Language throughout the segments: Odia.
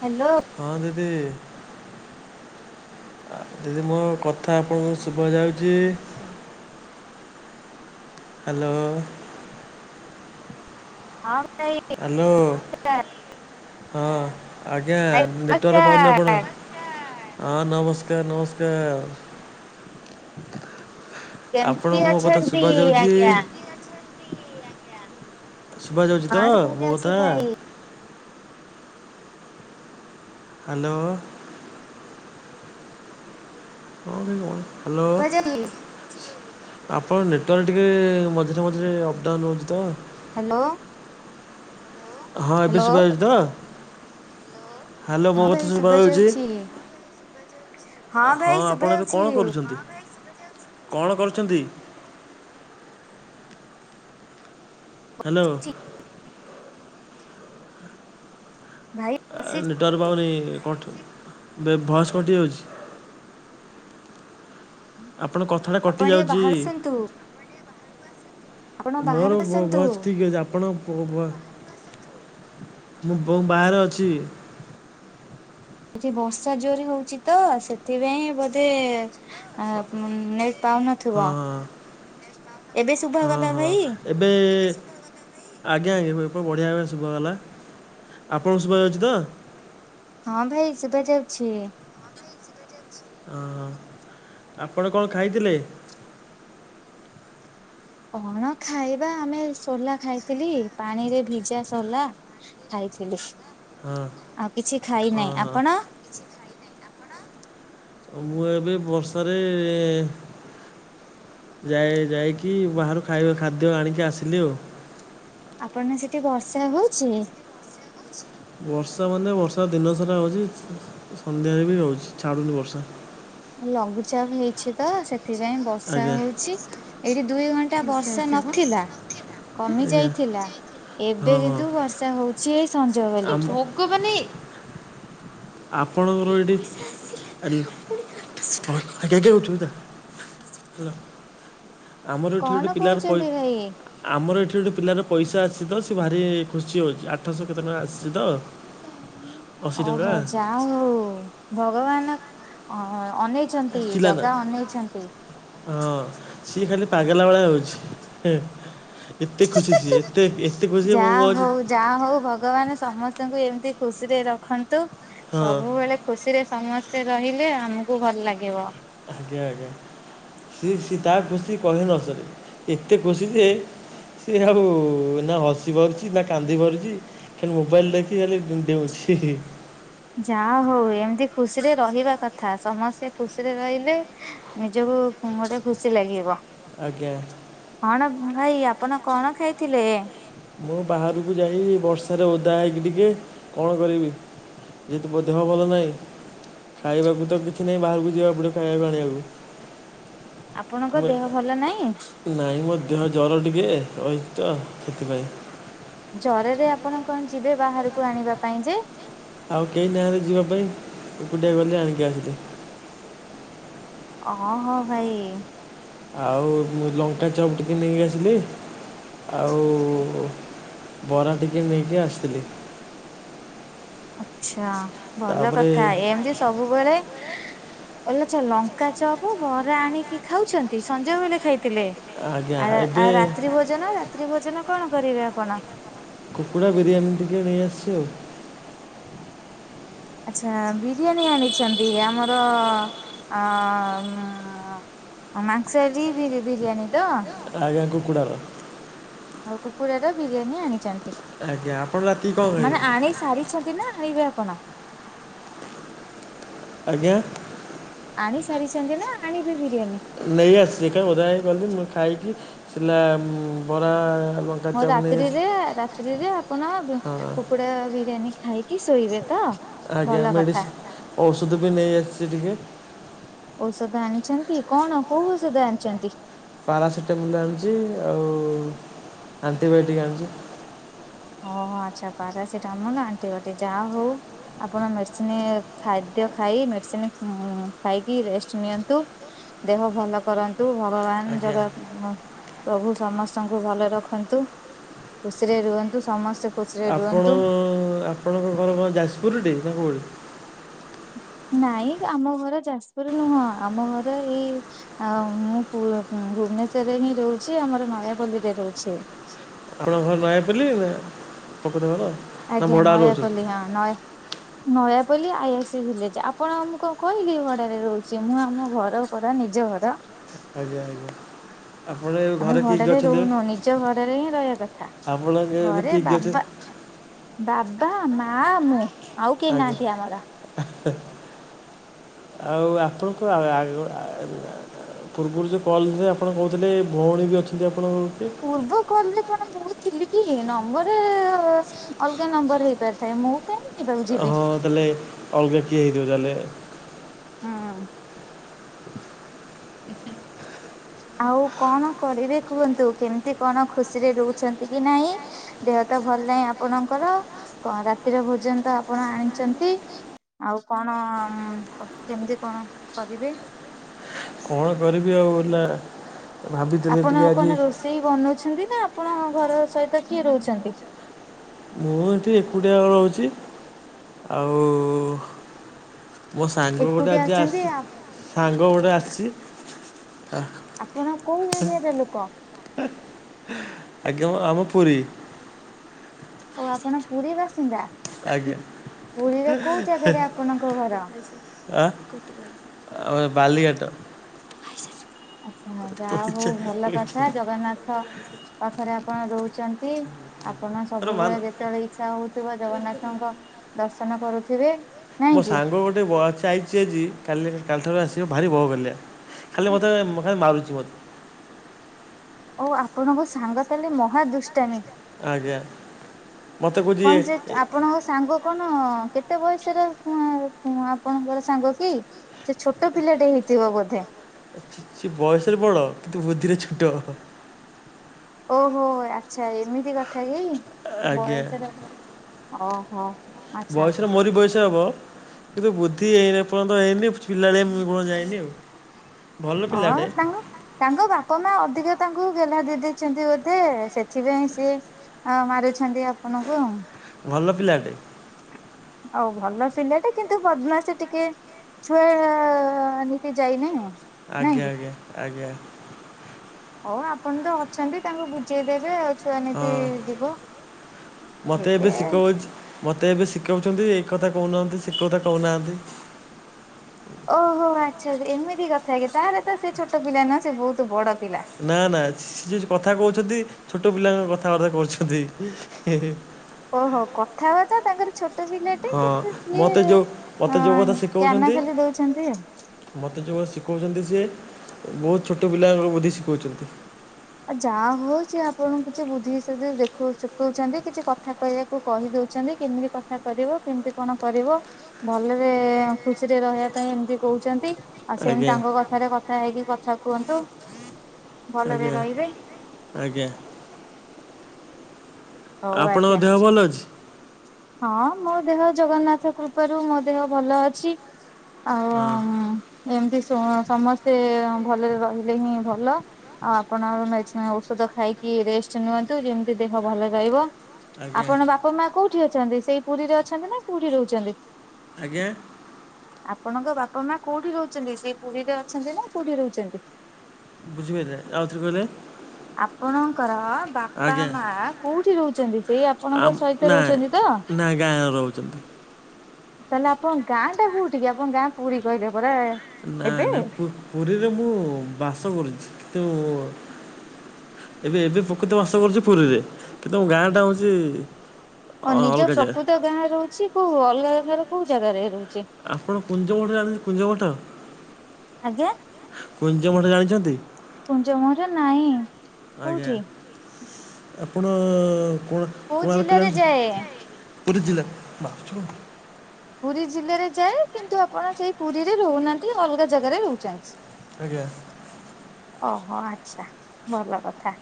ହାଲୋ। ହଁ ଦିଦି। ଆ ଦିଦି ମୋ କଥା ଆପଣଙ୍କୁ ଶୁଭା ଯାଉଚି? ହାଲୋ। ହଁ ଭାଇ ହ୍ୟାଲୋ [inaudible] ହଁ ଆଜ୍ଞା ଭାଇ ନେଟୱାର୍କ ପାଉନି ନମସ୍କାର। ଆପଣ ହଁ ନମସ୍କାର ନମସ୍କାର। କେମିତି ଆପଣ ମୋ କଥା ଅଛନ୍ତି ଶୁବା ଯାଉଛି। ଆଜ୍ଞା ଶୁଭ ଯାଉଚି ହଁ ତ ମୋ ଶୁଭାଯାଉଛି କଥା। ଭାଇ ହାଲୋ। ହାଲୋ। ଶୁଭାଯାଉଛି। ଆପଣ ନେଟୱାର୍କ ଟିକେ ମଝିରେ ମଝିରେ ଅପ ଡାଉନ ହଉଚି ତ। ହାଲୋ। ହଁ ଏବେ ଶୁଦ୍ଭା ଜାଉଚି ତ। ହାଲୋ ମୋ ହଁ ଭାଇ କଥା ଶୁଦ୍ଭା ଶୁଭା ଯାଉଜି। ଯାଉଛି ହଁ ଭାଇ ଶୁଭା ଆପଣ ଏବେ କଣ ଯାଉଛି। କରୁଚନ୍ତି କଣ କରୁଚନ୍ତି? ହାଲୋ। ଭାଇ ଆ ଆସି ନେଟୱାର୍କ ପାଉନି [unintelligible] ଭଏସ୍ କଟିଯାଉଛି। ଆପଣ କଥା ଟା ଆପଣ କଟି ଟିକେ ଯାଉଚି। ବାହାରୁ ଆସନ୍ତୁ ଆପଣ ମୋର ବାହାରକୁ ଭ ଆସନ୍ତୁ। ଭଏସେ ଠିକ୍ ଅଛି ଆପଣ ପୋ ଭ ମୁଁ ବଉ ବାହାରେ ଅଛି। ଏଠି ବର୍ଷା ଜୋର ରେ ହଉଚି ତ ସେଥିପାଇଁ ବୋଧେ ଆ ନେଟ୍ ହଁ ପାଉନଥିବ ଏବେ ହଁ ଶୁଭ ହଁ ଗଲା ହଁ ଭାଇ। ଏବେ ଆଜ୍ଞା ଆଜ୍ଞା [unintelligible] ବଢ଼ିଆ ଦ୍ଭାବରେ ଶୁଦ୍ଭା ଗଲା। ଆପଣଙ୍କୁ ଶୁଭା ଯାଉଚି ତ। ହଁ, ଭାଇ ଶୁଭା ଯାଉଛି। ହଁ, ଆପଣ କଣ ଖାଇଥିଲେ? କଣ ଖାଇବା, ଆମେ ସୋଲା ଖାଇଥିଲି ପାଣିରେ ଭିଜା ସୋଲା। ଖାଇଥିଲୁ। ହଁ ଆଉ କିଛି ଖାଇ ହଁ ନାହିଁ। ହଁ ଆପଣ ମୁଁ ଏବେ ବର୍ଷାରେ ଯାଇ ଯାଇକି ବାହାରୁ ଖାଇବା ଖାଦ୍ୟ ଆଣିକି ଆସିଲି ଆଉ। ଆପଣ ସେଠି ବର୍ଷା ହଉଛି। ବର୍ଷା ମାନେ ବର୍ଷା ଦିନସାରା ହଉଛି, ସନ୍ଧ୍ୟାରେ ବି ହଉଛି, ଛାଡୁନି ବର୍ଷା। ଆଉ ଲଘୁଚାପ ହେଇଛି ତ ସେ ସେ ଯାଏ ବର୍ଷା ଆଜ୍ଞା ହଉଛି, ଏଠି ଦୁଇ ଘଣ୍ଟା ବର୍ଷା ନଥିଲା। କମି ଆଜ୍ଞା ଯାଇଥିଲା। ଏବେ ହଁ ହଁ କିନ୍ତୁ ବର୍ଷା ହଉଛି ଏଇ ସଞ୍ଜ ବେଳ ଠୁ। କୋଉ ମାନେ [unintelligible] ଆମର ଏଠି କଣ ଗୋଟେ ପିଲାର ପଇ କହୁଛନ୍ତି ଭାଇ? ଆମର ଏଠି ଗୋଟେ ପିଲାର ପଇସା ଆସିଛି ତ, ସିଏ ଭାରି ଖୁସି ହେଉଛି, ଆଠଶହ କେତେ ଟଙ୍କା ଆସିଛି ତ ଅଶୀ ଟଙ୍କା ଓହୋ ଯା ହଉ ଭଗବାନ ଅ-ଅନେ ଚନ୍ତି। ଆସିଥିଲା ନା ଜଗା ଅନେଇଛନ୍ତି। ହଁ, ସିଏ ଖାଲି ପାଗଲା ଭଳିଆ ହଉଛି। ହେ ଏତେ ଖୁସି ସିଏ, ଏତେ ଏତେ ଖୁସି। ମୁଁ ଯାହା ଆଜି ହଉ ଯାହା ହଉ, ଭଗବାନ ସମସ୍ତଙ୍କୁ ଏମିତି ଖୁସିରେ ରଖନ୍ତୁ ହଁ ସବୁବେଳେ ଖୁସିରେ ସମସ୍ତେ ରହିଲେ ଆମକୁ ଭଲ ଲାଗିବ। ଆଜ୍ଞା। ଆଜ୍ଞା। ସେ ସେ ତା ଖୁସି କହିଲେ ନ ସରେ, ଏତେ ଖୁସି ଯେ ସେ ଆଉ ନା ହସି ପାରୁଛି ନା କାନ୍ଦି ପାରୁଛି। ଖାଲି ମୋବାଇଲି ଦେଖି ଖାଲି ଡେଉଁଛି। ଯା ହଉ ଏମିତି ଖୁସିରେ ରହିବା କଥା। ସମସ୍ତେ ଖୁସିରେ ରହିଲେ ନିଜକୁ ଗୋଟେ ଖୁସି ଲାଗିବ। ଆଜ୍ଞା। କଣ ଭାଇ, ଆପଣ କଣ ଖାଇଥିଲେ? ମୁଁ ବାହାରକୁ ଯାଇ ବର୍ଷାରେ ଓଦା ହେଇକି ଟିକେ କଣ କରିବି। ଯେହେତୁ ମୋ ଦେହ ଭଲ ନହିଁ। ଖାଇବାକୁ ତ କିଛି ନାହିଁ, ବାହାରକୁ ଯିବାକୁ ପଡିବ ଖାଇବାକୁ ଆଣିବାକୁ। ଆପଣଙ୍କ ଦେହ ଭଲ ନାହିଁ? ନାଇଁ, ମୋ ଦେହ ଜ୍ବର ଟିକେ ରହିଛି ତ ସେଥିପାଇଁ। ଜରରେ ଆପଣ କଣ ଯିବେ ବାହାରକୁ ଆଣିବା ପାଇଁ ଯେ। ଆଉ କେହି ନାହାନ୍ତି ଯିବା ପାଇଁ, ଏକୁଟିଆ ଗଲି ଆଣିକି ଆସିଲି। ହଁ ହଁ ଭାଇ। ଆଉ ମୁଁ ଲଙ୍କା ଚପ୍ ଟିକେ ନେଇ ଆସିଲି। ଆଉ ବରା ଟିକେ ନେଇକି ଆସିଥିଲି। ଆଚ୍ଛା ଭଲ ତାପରେ କଥା ଏମ୍ ତି ସବୁବେଳେ। ଓ ଲ ଲଙ୍କା ଚପ ବରା ଆଣିକି ଖାଉଛନ୍ତି ସଞ୍ଜ ବେଲେ ଖାଇଥିଲେ। ଆଉ ଆଉ ରାତ୍ରି ଭୋଜନ ରାତ୍ରି ଭୋଜନ କଣ କରିବେ ଆ-ଆଉ ଆପଣ? ରାତ୍ରି ଭୋଜନ ରାତ୍ରି ଭୋଜନ କଣ କରିବେ ଆପଣ? କୁକୁଡ଼ା ବିରିୟାନି ଟିକେ ନେଇ ଆସିଛି ଆଉ। ଆଚ୍ଛା। ବିରିୟାନୀ ଆଣିଛନ୍ତି ଆମର ଅ ଓ ମାଂସାରୀ ବିରି-ବିରିୟାନୀ ତ? ଆଜ୍ଞା କୁକୁଡ଼ାର। ଆଉ କୁକୁଡାର ବିରିୟାନୀ ଆଣିଚନ୍ତି ଆଜ୍ଞା ଆପଣ ରାତିକି କଣ ଖାଇବେ ମାନେ ଆଣି ସାରି ଆଣିଛନ୍ତି ନା ଆଣିବେ ଆପଣ? ଆଜ୍ଞା। ଆଣି ସାରିଛନ୍ତି ନା ଆଣିବେ ବିରିୟାନୀ? ନେଇଆସିଛି କାଇଁ ଓଦା ହେଇକି ଗଲି ମୁଁ ଖାଇକି ହେଲା ବରା ମ ମୁଁ ରାତ୍ରିରେ ରାତ୍ରିରେ ଆପଣ ହଁ କୁକୁଡା ବିରିୟାନୀ ଖାଇ ଆଜ୍ଞା ମେଡିସି ଔଷଧ ବି ନେଇ ଆସିଛି ଟିକେ। ଔଷଧ ଆଣିଛନ୍ତି କଣ କୋଉ ଔଷଧ ଆଣିଛନ୍ତି? ପାରାସିଟାମଲ୍ ଆଣିଛି ଆଉ ଆଣ୍ଟିବାୟୋଟିକ୍ ଆଣିଛି। ଓହୋ ଆଚ୍ଛା ପାରାସିଟାମଲ୍ ଆଣ୍ଟିବାୟୋଟିକ୍ ଯାହା ହଉ। ଆପଣ ମେଡିସିନ୍ ଖାଦ୍ୟ ଖାଇ ମେଡିସିନ୍ ଖାଇକି ରେଷ୍ଟ ନିଅନ୍ତୁ। ଦେହ ଭଲ କରନ୍ତୁ ଭଗବାନ ଆଜ୍ଞା ଜଗା ପ୍ରଭୁ ସମସ୍ତଙ୍କୁ ଭଲରେ ରଖନ୍ତୁ ଖୁସିରେ ରୁହନ୍ତୁ ସମସ୍ତେ ଖୁସିରେ ଆପଣ ରୁହନ୍ତୁ। ଆପଣଙ୍କ ଘର କଣ ଯାଜପୁରଟି ନା କଉଠି? ନାଇଁ ଆମ ଘର ଯାଜପୁର ନୁହଁ ଆମ ଘର ଏଇ ଆଉ ମୁଁ ପୁ ଭୁବନେଶ୍ଵରରେ ହିଁ ରହୁଛି ଆମର ନୟାପଲ୍ଲୀରେ ରହୁଛି। ଆପଣ ଘରେ ନୟାପଲ୍ଲୀ ନା ପ୍ରପର୍ ଘର ଆଉ। ଆଜ୍ଞା ନୟାପଲ୍ଲୀ ହଁ ନୟା ନୟାପଲ୍ଲୀ ଆଇଆଇସି ଭିଲେଜ ଆପଣମୁଁ କଣ କହିଲି ଭଡାରେ ରହୁଛି ମୁଁ ଆମ ଘର ପରା ନିଜ ଘର। ଆଜ୍ଞା ଆଜ୍ଞା। ଆପଣ ଏ ଆମେ ଭଡାରେ ରହୁନୁ ନିଜ ଘରରେ ହିଁ ରହିବା କଥା। ଆପଣଙ୍କ ଏବେ ଘରେ କିଏ କିଏ ବାବା ଅଛନ୍ତି ବାବା ମା ମୁଁ ଆଉ କେହି ଆଜ୍ଞା ନାହାନ୍ତି ଆମର। ଆଉ ଆପଣଙ୍କୁଗ ପୂର୍ବରୁ ଜଉ କଲଯାଏ ଆପଣ କହୁଥିଲେ ଭଉଣୀ ବି ଅଛନ୍ତି ଆପଣଙ୍କ କିଏ। ପୂର୍ବ କଲରେ କଣ ମୁଁ ଥିଲିକି ନମ୍ବରରେ ଅଲଗା ନମ୍ବରରେ ହେଇପାରିଥାଏ ମୁଁ କାଇଁ ଓହ ତାହେଲେ ଅଲଗା କିଏ ହେଇଥିବ ତାହେଲେ। ହଁ। [inaudible] ଆଉ କଣ କରିବେ କୁହନ୍ତୁ କେମିତି କଣ ଖୁସିରେ ରହୁଛନ୍ତି କି ନାହିଁ? ଦେହ ତ ଭଲ ନାଇଁ ଆପଣଙ୍କର କଣ ରାତିର ଭୋଜନ ତ ଆପଣ ଆଣିଛନ୍ତି। ଆଉ କଣ କେମିତି କଣ କରିବେ? କଣ କରିବି ଆଉ ହେଲା ଆପଣ କଣ ରୋଷେଇ ବନଉଛନ୍ତି ନା ଆପଣ ଘର ସହିତ କିଏ ରହୁଛନ୍ତି। ମୁଁ ଏଠି ଏକୁଟିଆ ରହୁଛି ଆଉ ମୋ ସାଙ୍ଗ ଗୋଟେ ଏକୁଟିଆ ଆଜି ଅଛନ୍ତି ଆସିଛି ସାଙ୍ଗ ଗୋଟେ ଆସିଛି। ଆପଣ କୋଉ ଏରିଆର ଲୁକ? ଆଜ୍ଞା ମ ଆମ ପୁରୀ। ଓ ଆପଣ ପୁରୀ ବାସିନ୍ଦା ଆଜ୍ଞା ପୁରୀର କୋଉ ଜାଗାରେ ଆପଣଙ୍କ ଘର? ଆ ଆମର ବାଲିଘାଟ। ଆଚ୍ଛା ଯାହା ହଉ ପଇସା ଭଲ କଥା ପଇସା ଜଗନ୍ନାଥ ପାଖରେ ଆପଣ ରହୁଛନ୍ତି। ଆପଣ ସବୁବେଳେ ମାନ ଯେତେବେଳେ ଇଛା ହଉଥିବ, ଜଗନ୍ନାଥଙ୍କ ଦର୍ଶନ କରୁଥିବେ? ନାଇଁ ମୋ କି? ସାଙ୍ଗ ଗୋଟେ ବସ୍ ଆଇ ସିଏଜି କାଲି କାଲିଠାରୁ ଆସିବ ଭାରି ବୋହାଗାଲିଆ, ଖାଲି ମୋତେ ମା ମାରୁଚି ମୋତେ। ଓଃ, ଆପଣଙ୍କ ସାଙ୍ଗ ତାଲେ ମହାଦୁଷ୍ଟାମି? ଆଜ୍ଞା। ମତେ କହୁଛି ଏ କଣ ସେ ଆପଣଙ୍କ ସାଙ୍ଗ କଣ କେତେ ବୟସରେ ଆ-ପ-ଆ-ପ ଆପଣଙ୍କର ସାଙ୍ଗ କି? ସେ ଛୋଟ ପିଲାଟେ ହେଇଥିବ ବୋଧେ? ସେ ବୟସରେ ବଡ କିନ୍ତୁ ବୁଦ୍ଧିରେ ଛୋଟ। ଓହୋ ଆଛା, ଏମିତି କଥା କି? ଆଜ୍ଞା ବୟସରେ ବ, ଓହୋ ଆଛା। ବୟସରେ ମୋରି ବୟସ ହେବ କିନ୍ତୁ ବୁଦ୍ଧି ଏ ଏପର୍ଯ୍ୟନ୍ତ ହେଇନି, ପିଲାଳିଆମି ଗୁଣ ଯାଇନି ଆଉ। ଭଲ ହଁ, ପିଲାଟେ ତାଙ୍କ୍ ତାଙ୍କ ବାପା ମା ଅଧିକ ତାଙ୍କୁ ଗେଲ୍ଲା ଦେଇ ଦେଇଚନ୍ତି ବୋଧେ, ସେଥିପାଇଁ ସିଏ ହଁ ମାରୁଛନ୍ତି ଆପଣଙ୍କୁ ଆଉ। ଭଲ ପିଲାଟେ। ଆଉ ଭଲ ପିଲା ଟେ କିନ୍ତୁ ବଦମାସୀ ଟିକେ ଛୁଆ ନୀତି ଯାଇନାହି ଆଉ। ଆଜ୍ଞା ଆଜ୍ଞା ଆଜ୍ଞା। ହଉ ଆପଣ ତ ଅଛନ୍ତି, ତାଙ୍କୁ ବୁଝେଇଦେବେ ଆଉ। ଛୁଆନୀତି ହଁ ଯିବ, ମତେ ଏବେ ଶିଖଉଛି ମତେ ଏବେ ଶିଖଉଚନ୍ତି, ଏଇ କଥା କହୁନାହାନ୍ତି ସେ କଥା କହୁନାହାନ୍ତି। ଓହୋ ଆଛା, ଏମିତି କଥା କି ତାହାଲେ ତ ସେ ଛୋଟ ପିଲା ନୁହଁ, ସେ ବହୁତ ବଡ ପିଲା। ନା ନା, ସେ ଯ କଥା କହୁଛନ୍ତି, ଛୋଟ ପିଲାଙ୍କ କଥାବାର୍ତ୍ତା କହୁଛନ୍ତି। ହି ହି ଓହୋ କଥା ବାର୍ତ୍ତା ତାଙ୍କର ଛୋଟ ପିଲା ମତେ ହଁ କିନ୍ତୁ ସିଏ ମତେ ଯୋଉ ମତେ ଅ ଯୋଉ କଥା ଜ୍ଞାନ ଶିଖଉଛନ୍ତି ଖାଲି ଦଉଛନ୍ତି ଆଉ। ମତେ ଯଉରା ଶିଖଉଚନ୍ତି ସିଏ, ବହୁତ୍ ଛୋଟ ପିଲାଙ୍କର ବୁଦ୍ଧି ଶିଖଉଚନ୍ତି। ଯା ହଉ, ସିଏ ଆପଣଙ୍କୁ କିଛି ବୁଦ୍ଧିଶୁଦ୍ଧି ଦେଖଉ ଶିଖଉଛନ୍ତି କିଛି କଥା କହିବାକୁ କୁ କହିଦଉଛନ୍ତି, କେମିତି କଥା କରିବ, କେମିତି କଣ କରିବ? ଭଲରେ ଖୁସିରେ ରହିବା ପାଇଁ ଏମିତି କହୁଛନ୍ତି। ଆଉ କଥାରେ କଥା ହେଇକି ପାଠ ପଢୁନି। ସେମିତି ଆଜ୍ଞା ତାଙ୍କ କଥାରେ କଥା ହେଇକି କଥା କୁହନ୍ତୁ। ଭଲରେ ଆଜ୍ଞା ରହିବେ। ଆଜ୍ଞା। ହଉ ଆପଣଙ୍କ ଆଜ୍ଞା ଦେହ ଭଲ ଅଛି? ହଁ ମୋ ଦେହ ଜଗନ୍ନାଥ କୃପାରୁ ମୋ ଦେହ ଭଲ ଅଛି। ଆ ହଁ। ହୁଁ, ଏମିତି ଶୁଣ୍, ସମସ୍ତେ ଭଲରେ ରହିଲେ ହିଁ ଭଲ। ଆଉ ଆପଣ ମେଡ୍ ଔଷଧ ଖାଇକି ରେଷ୍ଟ ନିଅନ୍ତୁ, ଯେମିତି ଦେହ ଭଲ ରହିବ। ଆଜ୍ଞା। ଆପଣ ବାପା ମା କୋଉଠି ଅଛନ୍ତି, ସେଇ ପୁରୀରେ ଅଛନ୍ତି ନା କୋଉଠି ରହୁଛନ୍ତି? ଆଜ୍ଞା? ଆପଣଙ୍କ ବାପା ମା କୋଉଠି ରହୁଛନ୍ତି, ସେ ପୁରୀରେ ଅଛନ୍ତି ନା କୋଉଠି ରହୁଛନ୍ତି? ବୁଝିପାରିଲେ ଆଉ ଥରେ କହିଲେ ଆପଣଙ୍କର ବାପା ଆଜ୍ଞା ମା କୋଉଠି ରହୁଛନ୍ତି? ସେଇ ଆପଣଙ୍କ ଆମ୍- ସହିତ ନା ରହୁ- ନା ଗାଁରେ ରହୁଚନ୍ତି। ତାହେଲେ ଆପଣ ଗାଁ ଟା କୋଉଠିକି, ଆପଣ ଗାଁ ପୁରୀ କହିଲେ ପରା? ନା, ଏବେ? ନାଇଁ, ପୁ ପୁରୀରେ ମୁଁ ବାସ କରୁଚି କିନ୍ତୁ ଏବେ ଏବେ ପ୍ରକୃତ ବାସ କରୁଛି ପୁରୀରେ। କିନ୍ତୁ ମୋ ଗାଁ ଟା ହୋଉଚି ଓ ନିଜ ପ୍ରକୃତ ଗାଁ ରହୁଛି କୋଉ ଅଲଗା ଜାଗାର କୋଉ ଜାଗାରେ ରହୁଚେ? ଆପଣ କୁଞ୍ଜ ମଠ ଜାଣିଛନ୍ତି କୁଞ୍ଜ ମଠ? ଆଜ୍ଞା। କୁଞ୍ଜ ମଠ ଜାଣିଛନ୍ତି? କୁଞ୍ଜ ମହର ନାଇଁ ଆଜ୍ଞା କୋଉଠି? ଆପଣ କୋଣ କୋଉ କୋଣାର୍କ ଜିଲ୍ଲାରେ ଯାଏ? ଜାଣିଛ ପୁରୀ ଜିଲ୍ଲା ମାଛ ପୁରୀ ଜିଲ୍ଲାରେ ଯାଏ କିନ୍ତୁ ଆପଣ ସେଇ ପୁରୀରେ ରହୁନାହାନ୍ତି ଅଲଗା ଜାଗାରେ ରହୁଛନ୍ତି। ଆଜ୍ଞା। ଓହୋ ଆଚ୍ଛା ଭଲ କଥା।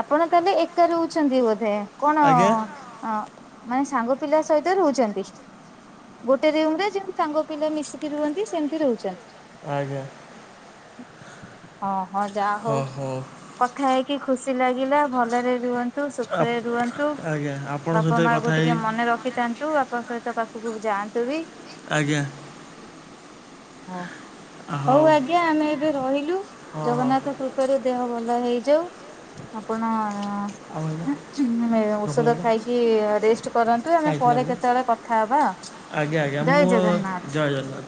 ଆପଣ ତାହେଲେ ଏକା ରହୁଛନ୍ତି ବୋଧେ କଣ ଆଜ୍ଞା ଅଁ ମାନେ ସାଙ୍ଗ ପିଲା ସହିତ ରହୁଛନ୍ତି। ଗୋଟେ ରୁମରେ ଯେମତି ସାଙ୍ଗ ପିଲା ମିଶିକି ରୁହନ୍ତି ସେମତି ରହୁଛନ୍ତି? ଆଜ୍ଞା ହଁ ହଁ ଯା ହଉ। କଥା ହେଇକି ଖୁସି ଲାଗିଲା ଭଲରେ ରୁହ ନ୍ତୁ ସୁଖରେ ଆପ- ରୁହନ୍ତୁ, ଆଜ୍ଞା ଆପଣଙ୍କ ବାପା ସହିତ ମାଆ କଥା କୁ ଟିକେ ହେଇ ମନେ ରଖ ଖିଥାନ୍ତୁ ବାପାଙ୍କ ସହିତ ପାଖକୁ ଯାଆନ୍ତୁ ବି। ଆଜ୍ଞା। ହଁ ହଉ ଆଜ୍ଞା ଆମେ ଏବେ ରହିଲୁ ହଁ ହଁ ଜଗନ୍ନାଥ କୃ ପାରୁ ଦେହ ଭଲ ହେଇଯାଉ। ଆପଣ ଅଁ ଆଉ ହେଲା ନକଲ ଔଷଧ ହେଲା ଖାଇକି ରେଷ୍ଟ କରନ୍ତୁ ସେ ଆମେ ଆଇଥିଲା ପରେ କେତେବେଳେ କଥା ହବା। ଆଜ୍ଞା ଆଜ୍ଞା ଜୟ ମୁଁ ଜଗନ୍ନାଥ। ଜୟ ଜଗନ୍ନାଥ।